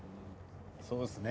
そうですね。